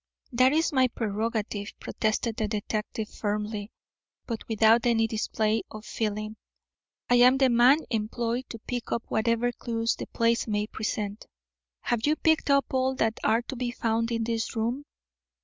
"That is my prerogative," protested the detective firmly, but without any display of feeling. "I am the man employed to pick up whatever clews the place may present." "Have you picked up all that are to be found in this room?"